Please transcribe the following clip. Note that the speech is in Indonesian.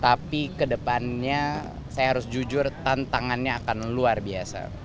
tapi kedepannya saya harus jujur tantangannya akan luar biasa